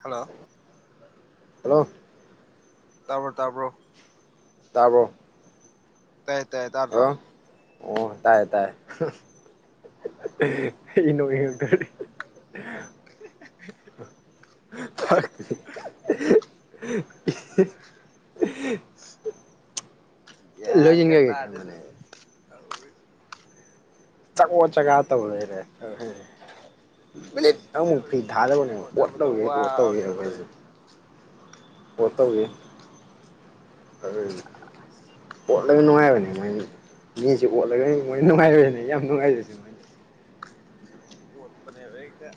Hello hello ꯇꯥꯕ꯭ꯔꯣ ꯇꯥꯕ꯭ꯔꯣ ꯇꯥꯔꯕꯣ ꯇꯥꯏꯌꯦ ꯇꯥꯏꯦ ꯇꯥꯔ꯭ꯔꯣ ꯑꯣ ꯇꯥꯏꯌꯦ ꯇꯥꯏꯌꯦ ꯑꯩ ꯅꯣꯛꯅꯤꯡꯉꯛꯀꯗꯧꯔꯤ ꯎꯝ [unintelligible] [inaudible] ꯐꯔꯛ ꯒꯌ꯭ꯥꯟꯒꯥ ꯂꯣꯏꯁꯤꯟꯈ꯭ꯔꯒꯦ ꯇꯥꯗꯦꯗ ꯈꯟꯕꯅꯦ ꯇꯧꯔꯤꯁꯤ ꯆꯉꯣ ꯆꯒꯥ ꯇꯧ ꯂꯩꯔꯦ ꯁꯤꯗ ꯃꯤꯅꯤꯠꯃꯨꯛ ꯁꯤꯅꯕꯩ ꯐ꯭ꯔꯤ ꯁꯛꯅꯉꯥꯏ ꯊꯥꯗꯕꯅꯦꯕ ꯑꯣꯠ ꯍꯣꯠꯅꯕꯗ ꯇꯧꯒꯦ ꯑꯣꯠ ꯇꯧꯒꯦ ꯋꯥꯕꯅꯦꯕ ꯍꯥꯏꯕ ꯑꯩꯁꯦ ꯇꯧꯔꯤꯁꯦ ꯄꯣ ꯇꯧꯋꯤ ꯑꯗꯨꯗꯤ [unintelligible] ꯑꯣꯠꯂꯒ ꯅꯨꯡꯉꯥꯏꯕꯅꯦ ꯃꯣꯏꯅꯤ ꯃꯤꯁ ꯑꯣꯠꯂꯒꯅꯤ ꯃꯣꯏꯅ ꯅꯨꯡꯉꯥꯏꯕꯅꯤꯅꯦ ꯌꯥꯝ ꯅꯨꯡꯉꯥꯏꯖꯁꯨ ꯑꯣꯠꯄꯅꯦꯕ ꯍꯦꯛꯇꯥ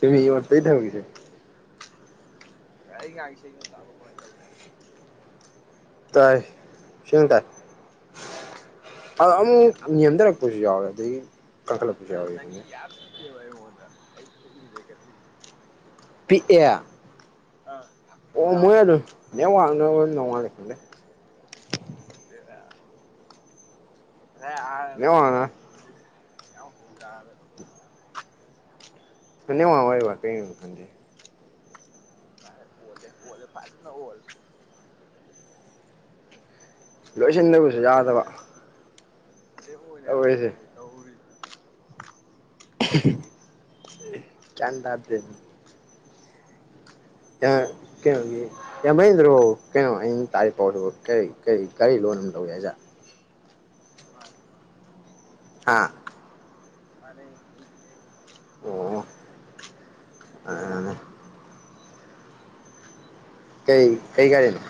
ꯇꯃꯤ ꯋꯥꯔ ꯇꯩ ꯊꯧꯦ [unintelligible] ꯑꯩ ꯉꯥꯡꯁꯦ ꯁꯦꯡꯅ ꯇꯥꯕ ꯀꯃꯥꯏꯅ ꯇꯧꯒꯦ ꯇꯥꯏ ꯁꯦꯡꯅ ꯇꯥꯏ ꯑꯗ ꯑꯃꯨꯛ ꯅꯦꯝꯊꯔꯛꯄꯁꯨ ꯌꯥꯎꯋꯦ ꯑꯗꯒꯤ ꯀꯟꯈꯠꯂꯛꯄꯁꯨ ꯌꯥꯎꯋꯦ ꯀꯦ ꯋꯥꯏ ꯃꯗ ꯑꯩ ꯐꯜ ꯔꯦꯀꯔꯤꯦ [unintelligible] ꯄꯤꯛꯑꯦ ꯑꯣ ꯃꯣꯏ ꯑꯗꯨ ꯅ ꯋꯥꯡꯅꯕ ꯅꯅꯨꯡꯉ ꯂꯩꯦꯀꯗꯦ [unintelligible] ꯕꯦꯔꯥ ꯉꯥꯁꯥꯏ ꯑꯍꯟꯕꯩ ꯅꯦꯠꯋꯥꯛꯅ ꯌꯥꯝ ꯍꯧꯅ ꯇꯔꯃꯤ ꯀꯉ ꯋꯥꯔꯤ ꯋꯥꯥꯛ ꯀꯩꯅ ꯈꯗꯦ [unintelligible] ꯐꯔꯦ ꯑꯣꯂꯦ ꯑꯣꯂꯦ ꯐꯖꯦ ꯅ ꯑꯣꯜ ꯂꯣꯏꯁꯤꯟꯗꯕꯁꯨ ꯌꯥꯗꯕ ꯇꯧꯔꯤꯁꯦ [unintelligible] ꯇꯧꯔꯤ ꯒꯌ꯭ꯥꯟ ꯇꯥꯗꯔ꯭ꯦꯅꯦ ꯌꯥ ꯀꯌꯥꯒ [unintelligible] ꯌꯥꯝꯃꯦꯟꯗ꯭ꯔꯣ ꯀꯩꯅꯣ ꯑꯩꯅ ꯇꯥꯔꯤ ꯄꯥꯎꯗꯨꯕꯨ ꯀꯔꯤ ꯀꯔꯤ ꯀꯔꯤ ꯂꯣꯟ ꯑꯃ ꯇꯧꯏ ꯍꯥꯏꯖꯤ꯫ ꯍꯥ ꯃꯅꯤ ꯑꯣ ꯑꯅꯦ ꯀꯩ ꯀꯩ ꯒꯥꯔꯤꯅꯣ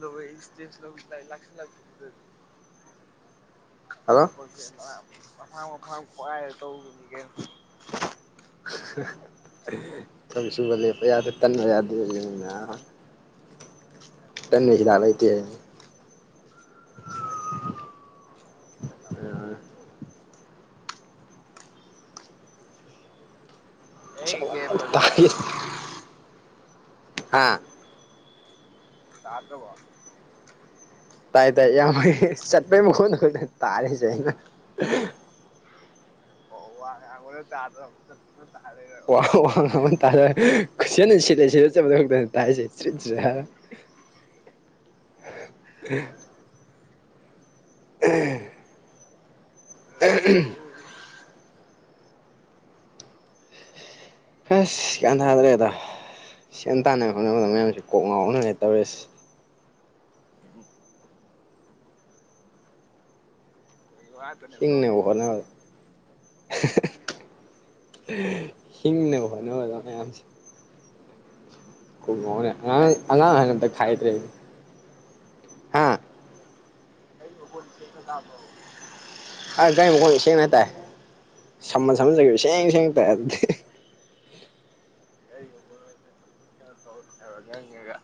ꯗ ꯩ ꯏꯁꯇꯦꯁ ꯂ ꯂ ꯂꯥꯛ ꯂꯥꯛꯗꯤ [unintelligible] ꯍꯜꯂꯣ ꯊꯕꯛꯁꯦ ꯃꯐꯥꯡ ꯃꯐꯥꯡ ꯈ꯭ꯋꯥꯏꯔ ꯇꯧꯕꯅꯤ ꯀꯩꯅꯣ ꯊꯕꯛ ꯁꯨꯕ ꯂꯦꯞꯄ ꯌꯥꯗꯦ ꯇꯟꯕ ꯌꯥꯗꯦꯅ ꯇꯟꯕꯩ ꯍꯤꯗꯥꯛ ꯂꯩꯇꯦꯗꯨꯅꯤ [unintelligible] ꯑꯕꯣ [unintelligible] ꯑꯩ ꯀꯦ ꯃꯖ ꯇꯥꯒꯦ [unintelligible] ꯍꯥ ꯇꯥꯗ꯭ꯔꯕꯣ ꯇꯥꯏ ꯇꯥꯏ ꯏꯌꯥꯝꯕꯩ ꯆꯠꯄꯩ ꯃꯈꯣꯟꯗ ꯈꯪꯇꯅꯤ ꯇꯥꯔꯤꯁꯦ ꯑꯩꯅ ꯑꯣ ꯋꯥ ꯉꯥꯡꯕꯅ ꯇꯥꯗꯔ꯭ꯕ ꯑꯝꯇ ꯇꯥꯔꯦꯒ ꯋꯥ ꯋꯥ [unintelligible] ꯍ [inaudible] ꯎꯝ ꯎ [unintelligible] ꯑꯁ ꯒꯌ꯭ꯥꯟ ꯊꯥꯗꯔ꯭ꯦꯗ ꯁꯦꯜ ꯇꯥꯅꯕ ꯍꯣꯠꯅꯕꯗ ꯃꯌꯥꯝꯁꯦ ꯀꯣꯛ ꯉꯥꯎꯅ ꯂꯩ ꯇꯧꯔꯤꯁꯦ ꯑꯣꯏ [unintelligible] ꯍꯤꯡꯅꯕ ꯍꯣꯠꯅꯕꯗꯥ ꯍꯤꯡꯅꯕ ꯍꯣꯠꯅꯕꯗ ꯃꯌꯥꯝꯁꯦ ꯀꯣꯛ ꯉꯧꯅꯔꯦꯅꯦ ꯑꯉꯥꯡ ꯑꯍꯟ ꯑꯝꯇꯥ ꯈꯥꯏꯗꯔ꯭ꯦꯅꯦ ꯑꯩꯒꯤ ꯃꯈꫭꯟ ꯁꯦꯡꯅ ꯇꯥꯕꯔꫭ ꯑ ꯒꯥꯔꯤ ꯃꯈꯣꯟꯗ ꯁꯦꯡꯅ ꯇꯥꯏ ꯁꯝꯃꯟ ꯁꯝꯃꯟꯖꯈꯤꯕꯦ ꯁꯦꯡ ꯁꯦꯡꯅ ꯇꯥꯏ ꯑꯗꯨꯗꯤ ꯑꯩꯒ ꯑꯣꯏꯅ ꯀꯩꯅꯣ ꯇꯧꯕ ꯅꯪꯉꯒ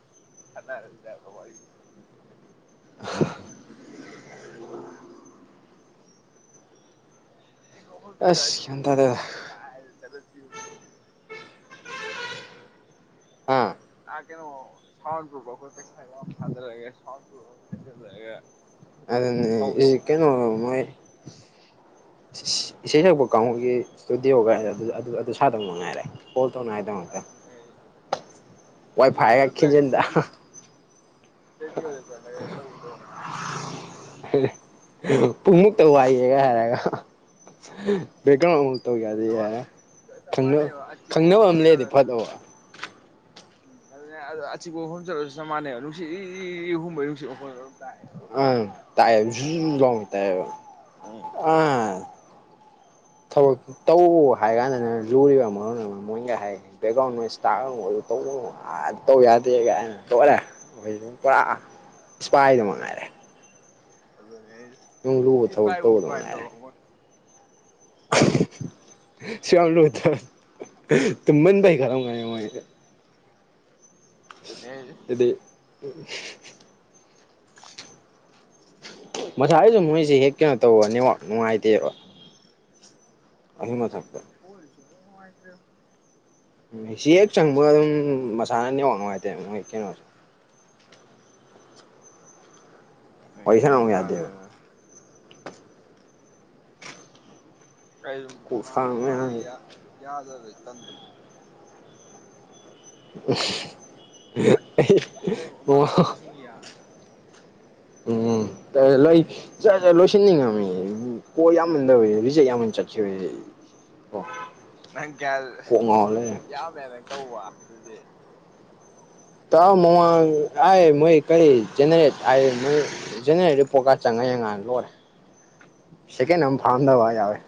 ꯁꯠꯅꯔꯕ ꯑꯁ ꯏꯖꯤꯁꯤ ꯒ꯭ꯌꯥꯟ ꯇꯥꯗꯦꯗ ꯀꯥꯏ ꯆꯗ ꯖꯤꯕ [unintelligible] ꯑꯥ ꯑꯥ ꯀꯩꯅꯣ ꯁꯥꯎ ꯄ ꯄꯦꯁ ꯐꯗꯒꯦ ꯁꯥꯎꯄ ꯈꯖꯒꯦ ꯑꯗꯨꯅꯦ ꯏ ꯀꯩꯅꯣꯃꫭꯏ ꯏꯁꯩ ꯁꯛꯄ ꯀꯥꯡꯕꯨꯒꯤ ꯏꯁꯇꯗꯤꯑꯣꯒꯥꯏ ꯑꯗꯨ ꯁꯥꯗꯧꯅꯉꯥꯏꯔꯦ ꯀꫭꯜ ꯅꯧꯅꯉꯥꯏꯗꫭ ꯑꯗꯨꯅꯦ ꯋꯥꯏ ꯐꯥꯏꯒ ꯈꯤꯟꯖꯤꯟꯗ ꯅꯒꯦꯁꯗꯤ ꯔꯦꯗꯤ ꯑꯣꯏ ꯁꯥꯔ [unintelligible] ꯄꯨꯡꯃꯨꯛꯇ ꯋꯥꯏꯒꯦꯒ ꯍꯥꯏꯔꯒ ꯕꯀꯨꯛꯇ ꯇꯧꯒꯦꯗꯤ ꯌꯥꯔꯦ ꯈꯪꯅ ꯈꯪꯅꯕ ꯑꯃ ꯂꯩꯗꯤ ꯐꯠꯇꯣꯕ ꯎꯝ ꯑꯗꯨꯅꯦ ꯑꯆꯤꯛꯄ ꯃꯐꯝ ꯆꯠꯂꯁꯨ ꯆꯞ ꯃꯥꯟꯅꯩꯕ ꯅꯨꯡꯁꯤꯠ ꯏ ꯍꯣꯡꯕꯩ ꯅꯨꯡꯁꯤꯠ ꯍꯣꯡ ꯇꯥꯏꯌꯦ ꯑꯝ ꯇꯥꯏ ꯖꯨ ꯂꯥꯎꯅ ꯇꯥꯏ ꯑꯦꯕ ꯎꯝ ꯊꯕꯛ ꯇꯧ ꯍꯥꯏ ꯀꯥꯟꯗꯅ ꯂꯨꯔꯤꯕ ꯃꯔꯝ ꯑꯃ ꯃꯣꯏꯒ ꯍꯥꯏ ꯕꯦꯛꯒ꯭ꯔꯥꯎꯟ ꯅꯣꯏ ꯏꯁ ꯇꯧꯕ ꯇꯧ ꯌꯥꯗꯦ ꯀꯥꯥꯏꯅ ꯇꯧꯔꯦ ꯑꯣꯏ ꯑꯗꯨꯝ ꯄꯨꯔꯥ ꯏꯁꯄꯥꯏꯗꯨꯃꯛ ꯉꯥꯏꯔꯦ ꯑꯗꯨꯅꯦ ꯑꯩ ꯂꯨꯕ ꯊꯕꯛ ꯏꯁꯐꯥꯏꯐꯧ ꯇꯧꯕꯗ ꯁꯨꯃꯥꯏ ꯇꯧꯔꯝꯃꯣꯏ ꯁꯨꯝ ꯂꯨꯊ ꯇꯨꯃꯟꯕꯩ ꯈꯔꯒꯦ ꯑꯗꯨꯅꯦ ꯍꯥꯏꯁꯦ ꯑꯗꯨꯗꯤ ꯃꯁꯥꯏꯁꯨ ꯃꯣꯏꯁꯦ ꯍꯦꯛ ꯀꯩꯅꯣ ꯇꯧꯕ ꯅꯦꯠꯋꯥꯛ ꯅꯨꯡꯉꯥꯏꯇꯦꯕ ꯑꯗꯨ ꯃꯊꯛꯇ ꯄꫭꯔꯤꯁꯨ ꯅꯨꯡꯉꯥꯏꯇ꯭ꯔꯦ ꯎꯝ ꯑꯁꯤ ꯍꯦꯛ ꯆꯪꯕꯒ ꯑꯗꯨꯝ ꯃꯁꯥꯅꯅꯦꯋꯥ ꯅꯨꯡꯉꯥꯏꯇꯦ ꯃꯣꯏ ꯀꯩꯅꯣꯁꯦ ꯑꯩꯏ ꯋꯥꯔꯤ ꯌꯥꯟ ꯁꯥꯟꯅꯧ ꯌꯥꯗꯦꯕ ꯇꯥꯗꯦꯗ ꯑꯩꯖꯨ ꯀꯣꯛ ꯃꯃꯥꯡꯒꯤ ꯁꯥꯡ ꯃꯌꯥꯝ ꯐꯥꯅꯤꯌꯥ ꯌꯥꯗꯕ꯭ꯔꯦ ꯇꯟꯗꯨ ꯄꯨꯈꯦ ꯋꯥ [unintelligible] ꯎꯝ ꯇꯂꯣꯏꯁꯤꯟꯅꯤꯡꯉꯝꯃꯤ ꯀꫭꯜ ꯌꯥꯝꯃꯟꯗꯕꯩ ꯔꯤꯖꯦꯛ ꯌꯥꯝꯃꯟ ꯆꯠꯈꯤ ꯑꯣ ꯅꯪ ꯀꯌꯥ ꯌꯥꯝ ꯑꯗꯨꯃꯥꯏ ꯇꯧꯕ ꯑꯗꯨꯗꯤ ꯇ ꯃꯃꯥꯡ ꯑꯩ ꯃꯣꯏ ꯀꯔꯤ ꯖꯅꯦꯔꯦꯠ ꯍꯥꯏ ꯃꯣꯏ ꯖꯦꯅꯦꯔꯗ ꯄꯣꯔꯠꯀ ꯆꯪꯉ ꯌꯦꯡꯉꯥꯟ ꯂꯣꯏꯔꯦ ꯁꯦꯀ ꯑꯝ ꯐꯥꯝꯗꯕ ꯋꯥꯎꯑꯦ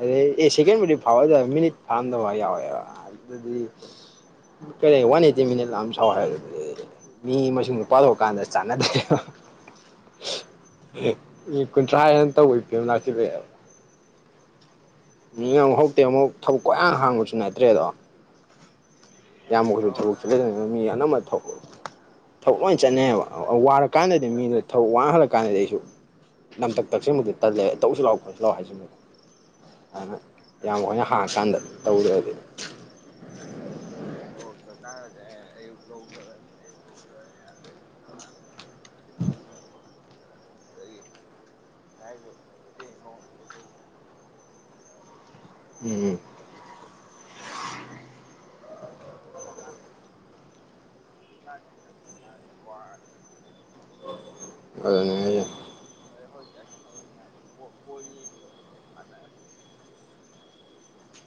ꯑꯩꯗꯤ ꯑꯦ ꯁꯦꯀꯦꯟꯕꯨꯗꯤ ꯐꯥꯕ ꯑꯗꫭ ꯃꯤꯅꯤꯠ ꯐꯥꯔꯝꯗꯕ ꯌꯥꯎꯋꯦ ꯌꯥꯎꯋꯦ ꯑꯗꯨ ꯑꯗꯨꯗꯤ ꯀꯔꯤ ꯋꯥꯟ ꯑꯩꯠꯇꯤ ꯃꯤꯅꯤꯠ ꯂꯥꯝ ꯁꯥꯎ ꯍꯥꯏꯔ ꯃꯤ ꯃꯁꯤꯡꯗꫭ ꯄꯥꯊꫭ ꯀꯥꯟꯗ ꯆꯥꯟꯅꯗꯦꯕ ꯃꯤꯅꯤꯠ ꯀꯨꯟꯊ꯭ꯔꯥ ꯍꯦꯟꯅ ꯇꯧꯕ ꯏꯕꯅꯥꯁꯤ ꯃꯤ ꯉꯥꯡꯍ ꯍꯧꯇꯦ ꯑꯃꯨꯛ ꯊꯕꯛ ꯀꯣꯏꯍꯥꯡ ꯍꯥꯡꯕꯁꯨ ꯅꯠꯇ꯭ꯔꯦꯗꯣ ꯏꯌꯥꯝꯕ ꯈꫭꯏꯁꯨ ꯊꯕꯛ ꯆꯨꯊꯗꯅꯤꯅ ꯃꯤ ꯑꯅꯝꯕ ꯊꯕꯛ ꯂꯣꯏ ꯆꯠꯅꯩꯕ ꯋꯥꯔꯛ ꯀꯥꯟꯅꯗꯦ ꯃꯤꯗꯨ ꯊꯕꯛ ꯋꯥꯡꯍꯜꯂ ꯀꯥꯟꯗꯗꯤ ꯑꯩꯁꯨ ꯅꯝꯇꯛ ꯇꯛꯁꯤꯟꯕꯗꯤ ꯇꯜꯂꯦ ꯇꯧꯁꯤ ꯂꯥꯛꯑꯣ ꯈꫭꯠꯁꯤ ꯂꯥꯛꯑꯣ ꯍꯥꯏꯖꯤꯟꯕꯗꯤ ꯑꯗꯨꯅ ꯌꯥꯝ ꯍꯣꯏꯅ ꯍꯥꯡꯉꯀꯥꯟꯗ ꯇꯧꯔꯦꯗꯤ ꯊꯕꯛ ꯆꯠ ꯀꯥꯟꯗꯗꯤ ꯑꯦ ꯑꯌꯨꯛ ꯂꯧꯊꯔꯑꯅꯤ ꯑꯌꯨꯛ ꯂꯧꯊꯔꯛꯑꯅꯤ ꯑꯗꯗꯒꯤ ꯍꯜꯂꯛꯑꯅꯤ ꯅ ꯑꯃꯨꯒꯥꯎꯁ ꯂꯩꯌꯦ [unintelligible] ꯥꯏꯗ [unintelligible] ꯎꯝ ꯎꯝ ꯈꯜꯂꯀꯥꯟꯗꯗꯤ [unintelligible] [inaudible] ꯇꯨꯝꯅꯤꯡꯉꯦ ꯑꯩ ꯑꯗꯨꯅꯦ ꯑꯩꯁꯦ ꯑꯩ ꯍꯧꯏꯖꯤꯛ ꯑꯍꯤꯡ ꯑꯍꯤꯡ ꯍꯥꯏꯔ ꯕꯣ - ꯕꯣꯜ ꯌꯦꯡꯕꯒꯤꯕ ꯐꯖꯔꯦ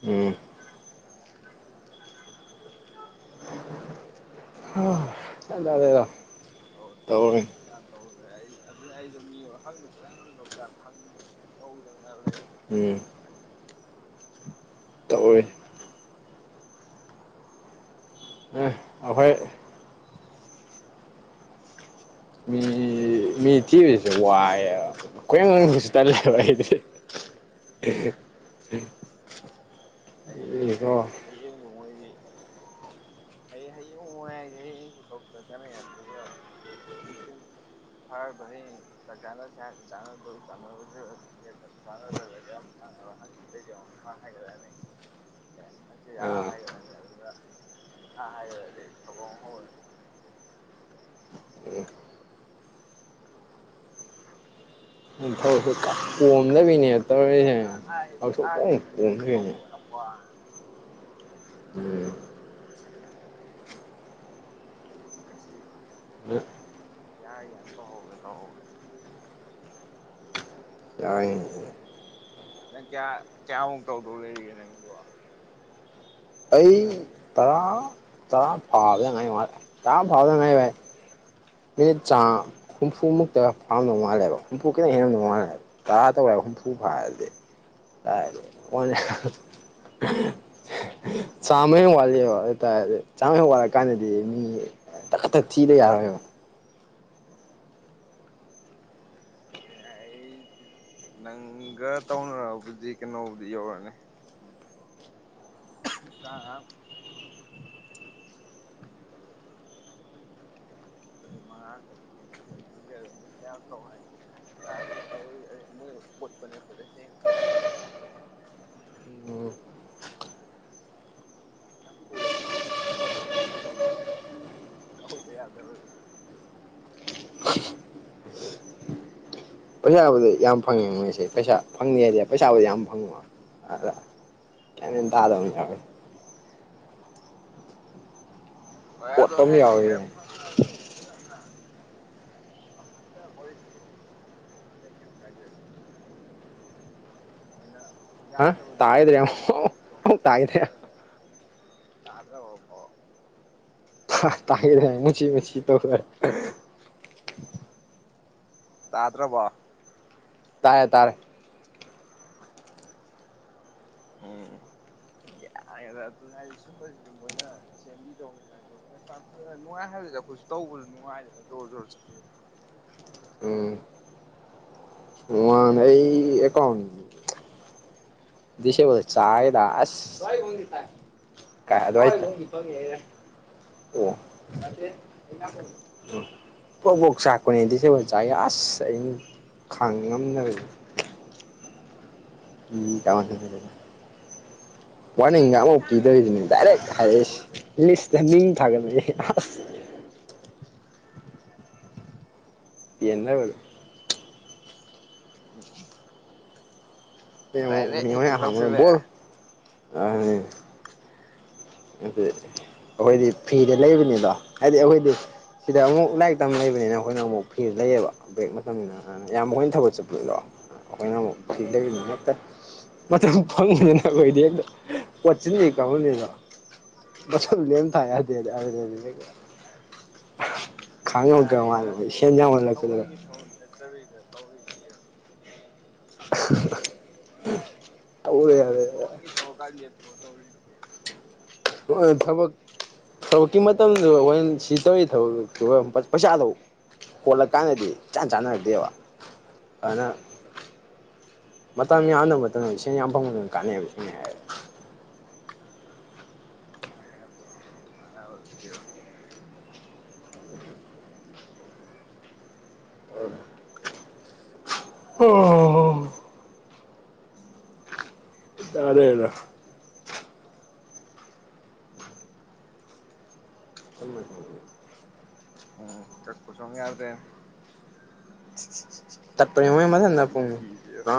ꯎꯝ ꯇꯧꯔꯦ ꯑ ꯀꯥꯟꯅ ꯇꯧꯈ꯭ꯔꯦ ꯑꯩ ꯑꯗꯨ ꯑꯩꯖꯨ ꯃꯤ ꯑꯣ ꯍꯪꯖꯨ ꯐꯖꯟ ꯍꯪꯗꯣꯛꯇ ꯍꯪꯗ꯭ꯔꯦ ꯍꯧꯗꯅ ꯂꯩꯌꯦꯕ ꯇꯟ ꯎꯝ ꯇꯧꯔꯤ ꯑꯦ ꯑꯩꯈꯣꯏ ꯃꯤ ꯃꯤ ꯊꯤꯕꯁꯦ ꯋꯥꯏꯑꯦꯕ ꯀꯣꯏꯍꯪ ꯍꯪꯕꯁꯨ ꯇꯜꯂꯦꯕ ꯑꯩꯗꯤ [unintelligible] ꯑꯩ ꯑꯩꯖꯨ ꯃꯤꯀꯣ ꯍꯌꯦꯡꯕ ꯃꯣꯏꯒꯤ ꯍꯌꯦꯡ ꯍꯌꯦꯡꯉꯨ ꯍꯥꯏꯖꯦ ꯍꯌꯦꯡꯁꯨ ꯗꯣꯛꯇꯔ ꯆꯠꯅꯩ ꯃꯌꯥꯝꯗꯨꯒ ꯅꯨꯡꯊꯤꯟ ꯐꯔꯕ ꯍꯌꯦꯡ ꯆꯥꯛ ꯆꯥꯅꯁꯦ ꯍꯥꯏꯕ ꯆꯥꯟꯅꯗꯣꯏ ꯆꯥꯟꯅꯔꯣꯏꯗ꯭ꯔꯥ ꯈꯪꯗꯦ ꯆꯥꯟꯅꯗ꯭ꯔꯒꯗꯤ ꯑꯃꯨꯛ [inaudible] ꯑꯩꯁꯨ ꯑꯃꯨꯛ ꯏꯝꯐꯥꯜ ꯍꯥꯏꯒꯠꯂꯅꯤ ꯑꯦ ꯑꯩꯁꯨ ꯑꯥ ꯍꯥꯏꯒꯠꯂꯅꯤ ꯑꯗꯨꯗ ꯑꯥ ꯍꯥꯏꯒꯠꯂꯗꯤ ꯇꯧꯕꯝ ꯈꯪꯉꯣꯏ ꯎꯝ ꯊꯕꯛꯇꯤ ꯀꯠ ꯀꯣꯝꯂꯕꯤꯅꯦ ꯑꯦ ꯑꯥ ꯑꯥꯏ ꯑꯥꯏ ꯀꯩ ꯀꯩ ꯀꯣꯝꯗꯕꯤꯅꯦ ꯇꯧꯕ ꯌꯥꯝ ꯋꯥꯔꯦ ꯎꯝ ꯉꯁꯤ ꯌꯥꯔ ꯌꯥ ꯇꯧꯍꯧꯋꯦ ꯇꯧꯕꯅꯦ ꯌꯥꯏꯌꯦ ꯅꯪ ꯀꯌꯥ ꯀꯌꯥꯃꯨꯛ ꯇꯧꯗꯧ ꯂꯩꯔꯤꯒꯦ ꯅꯪꯒꯤꯕꯣ ꯑꯩ ꯇꯔꯥꯥ ꯇꯥꯕ꯭ꯔꯣ [unintelligible] ꯃꯤ ꯆꯥꯝ ꯍꯨꯝꯐꯨꯃꯨꯛꯇ ꯐꯪꯉꯝꯗꯧ ꯃꯥꯜꯂꯦꯕ ꯍꯨꯝꯐꯨ ꯈꯤꯇꯪ ꯍꯦꯜꯂꯝꯗꯧꯃꯥꯜꯂꯦꯕ ꯀꯥ ꯇꯧꯋꯦꯕ ꯍꯨꯝꯐꯨ ꯐꯥꯔꯗꯤ ꯑꯥꯗꯤ [unintelligible] [unintelligible] ꯆꯥꯝꯃ ꯍꯦꯟ ꯋꯥꯠꯂꯤꯕ ꯑꯗꯨꯏ ꯇꯥꯔꯗꯤ ꯆꯥꯝꯃ ꯍꯦꯟ ꯋꯥꯠ ꯀꯥꯟꯗꯗꯤ ꯃꯤ ꯇꯛ ꯀꯊꯛ ꯊꯤꯗ ꯌꯥꯔꯣꯏꯕ ꯌꯥꯏꯌꯦ ꯑꯩꯗꯤ ꯅꯪꯒꯔ ꯇꯧꯅꯔꯛꯑꯕꯨꯗꯤ ꯀꯩꯅꯣꯕꯨꯗꯤ ꯌꯧꯔꯛꯑꯅꯤ ꯎꯝ ꯎꯝ [unintelligible] [inaudible] ꯃꯉꯥ ꯈꯛꯇꯗꯤ ꯅꯦ ꯉꯥꯏꯕꯝ ꯈꯪꯗꯦ ꯑꯗꯣ ꯃꯣꯏ ꯌꯥꯝ ꯇꯧ ꯍꯥꯏꯌꯦ ꯒ꯭ꯌꯥꯟꯒ ꯇꯥꯗꯦ ꯇꯧꯔꯤꯖꯦ ꯑꯩ ꯃꯩ ꯄꯨꯠꯄꯅꯦ ꯈꯣꯏꯗꯩꯩꯊꯦꯡꯉꯦ ꯌꯥꯝ ꯊꯨꯔꯦ ꯄꯣꯁꯇ ꯇꯧꯍꯟꯗꯣꯏꯅꯦ ꯇꯧꯔꯤꯁꯦ ꯇꯧꯍꯧꯗ ꯌꯥꯗꯕꯅꯤꯅ ꯄꯩꯁꯥꯕꯨꯗꯤ ꯌꯥꯝ ꯐꯪꯉꯦ ꯃꯣꯏꯁꯦ ꯄꯩꯁꯥ ꯐꯪꯅꯤ ꯍꯥꯏꯗꯤ ꯄꯩꯁꯥꯕꯨꯗꯤ ꯌꯥꯝ ꯐꯪꯕ ꯑꯗ ꯒ꯭ꯌꯥꯟ ꯃꯦꯟ ꯇꯥꯗꯕ ꯑꯃꯥꯥ ꯌꯥꯎꯋꯦ [unintelligible] [inaudible] ꯑꯈꯣꯏꯗ ꯑꯣꯠꯄ [unintelligible] ꯑꯃ ꯌꯥꯎꯔꯤ [inaudible] ꯀꯩꯝ ꯀꯥꯏꯗꯦ ꯁꯅ [unintelligible] ꯃꯣꯏꯅ ꯍꯥ ꯌꯥꯗꯕꯗꯨꯗ ꯇꯥꯒꯤꯗ꯭ꯔꯦ ꯃꯣꯏꯅ ꯑꯃꯨꯛ ꯊꯣꯛꯇꯣ ꯑꯃꯨꯛ ꯍꯥꯏꯕꯅꯤꯗ ꯇꯥꯒꯤꯗ꯭ꯔꯦ ꯐꯖꯟ ꯇꯥꯗ꯭ꯔꯕꯣ ꯑꯝꯐꯧ ꯈ ꯇꯥꯏꯌꯦꯅꯦ ꯃꯨꯁꯤ ꯃꯨꯁꯤ ꯇꯧꯔ ꯇꯥꯗ꯭ꯔꯕꯣ ꯇꯥꯔꯦ ꯇꯥꯔꯦ ꯎꯝ ꯌꯥꯔꯦꯗ ꯑꯗꯨꯅꯦ ꯍꯥꯏꯖꯦ ꯁꯨꯝꯕꯁꯤꯗꯤ ꯃꯣꯏꯅ ꯁꯦꯝꯕꯤꯗꯧꯅꯤ ꯍꯥꯏ [unintelligible] ꯅꯨꯡꯉꯥꯏ ꯍꯥꯏꯕꯅꯤꯗ ꯑꯩꯈꯣꯏꯁꯨ ꯇꯧꯕꯗ ꯅꯨꯡꯉꯥꯏꯗꯅ ꯖꯣꯔ ꯖꯣꯔ ꯆꯠꯂꯤꯅꯦ ꯎꯝ ꯃꯟꯅꯦ ꯑꯩ ꯑꯦꯀꯥꯎꯟ ꯗꯤꯁꯦꯕꯜ ꯆꯥꯏꯑꯦꯗꯥꯥ ꯑꯁ [unintelligible] ꯀꯥꯏ ꯑꯗꯨꯃꯥꯏ ꯑꯣ [inaudible] ꯄ꯭ꯔꯣꯛ ꯄ꯭ꯔꯣꯛ ꯆꯥꯛꯄꯅꯦ ꯗꯤꯁꯦꯕꯜ ꯆꯥꯛꯑꯦ ꯑꯁ ꯑꯩ ꯈꯥꯡ ꯉꯝꯗꯕꯅꯤ [unintelligible] [inaudible] ꯋꯥꯔꯅꯤꯡꯒ ꯑꯃꯨꯛ ꯄꯤꯗꯕꯤꯗꯅꯦ ꯗꯥꯏꯔꯦꯛ ꯍꯥꯏꯔꯛꯏꯁꯤ ꯂꯤꯁꯇ ꯃꯤꯡ ꯊꯥꯒꯠꯄꯖꯤ ꯌꯦꯟꯅꯔꯣꯏꯗ ꯎꯝ ꯁꯤꯗ ꯍꯦꯛꯇ ꯌꯦꯡꯉꯣ [unintelligible] ꯇꯧꯁꯤꯜꯂꯛꯑꯦ ꯕꯣꯜ ꯑ ꯑꯗꯨ ꯑꯈꯣꯏꯗꯤ ꯐ꯭ꯔꯤꯗ ꯂꯩꯕꯅꯤꯗꯣ ꯍꯥꯏꯗꯤ ꯑꯈꯣꯏꯗꯤ ꯁꯤꯗ ꯑꯃꯨꯛ ꯂꯥꯏꯔꯤꯛ ꯇꯝ ꯂꯩꯕꯅꯤꯅ ꯑꯩꯈꯣꯏꯅ ꯑꯃꯨꯛ ꯐ꯭ꯔꯤꯗ ꯂꯩꯌꯦꯕ ꯕ꯭ꯔꯦꯛ ꯃꯇꯝꯅꯤꯅ ꯌꯥꯝ ꯃꯈꯣꯏꯅ ꯊꯕꯛ ꯆꯠꯄꯗꯣ ꯑꯩꯈꯣꯏꯅ ꯑꯃꯨꯛ ꯊꯤꯗꯣꯏꯒꯤ ꯅꯠꯇꯦ ꯃꯇꯝ ꯐꯪꯗꯅꯅ ꯑꯩꯈꯣꯏꯗꯤ ꯄꯣꯠꯆꯤꯟ ꯍꯦꯛ [unintelligible] ꯃꯁꯝ ꯂꯦꯝ ꯇꯥ ꯌꯥꯗꯦ [unintelligible] ꯑꯩꯅ ꯊꯕꯛꯁꯦ ꯊꯑꯣꯏꯀꯤ ꯊꯕꯛ ꯆꯠꯇꯕꯤꯗ ꯇꯧꯔꯤꯅꯤ ꯀꯩꯅꯣ [unintelligible] ꯇꯧꯔꯦ ꯊꯑꯣꯏꯒꯤ ꯊꯕꯛꯀ ꯂꯦꯞꯊꯣꯛꯑ ꯇꯧꯔꯤꯅꯤ ꯍꯣꯏ ꯊꯕꯛ ꯊꯕꯛꯀꯤ ꯃꯇꯝꯗꯨ ꯑꯩꯈꯣꯏꯅ ꯁꯤ ꯇꯧꯔꯤ ꯊꯕꯛꯇꯨꯒ ꯄꯩꯁꯥꯗꯣ ꯍꯣꯠꯂ ꯀꯥꯟꯗꯗꯤ ꯏꯆꯥꯟ ꯆꯥꯟꯅꯔꯛꯇꯦꯕ ꯑꯗꯨꯅ ꯃꯇꯝ ꯌꯥꯝꯅꯕ ꯃꯇꯝꯗ ꯏꯁꯤꯡ ꯌꯥꯝ ꯐꯪꯕꯅ ꯀꯥꯟꯅꯩꯕ ꯅꯨꯡꯉꯥꯏꯕ [unintelligible] ꯑꯣ ꯆꯥꯔꯦꯗ [unintelligible] ꯆꯠꯄꯁꯨ ꯑꯃꯨꯛ ꯌꯥꯗ꯭ꯔꯦ ꯇꯠꯄꯦꯅꯦ ꯃꯣꯏ ꯃꯊꯟꯗ ꯄꯨꯡ ꯊꯤꯗꯦ ꯑ